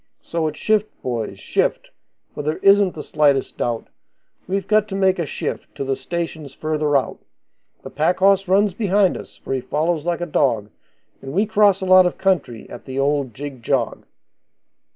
So, it's shift, boys, shift, for there isn't the slightest doubt We've got to make a shift to the stations further out; The pack horse runs behind us, for he follows like a dog, And we cross a lot of country at the old jig jog.